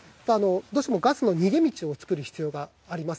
どうしても、ガスの逃げ道を作る必要があります。